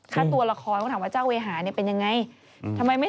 ฆ่าตัวละครเขาถามว่าเจ้าเวรหาเนี่ยเป็นอย่างไร